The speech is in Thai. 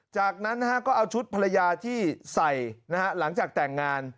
จากนั้นก็เอาชุดภรรยาที่ใส่หลังจากแต่งงาน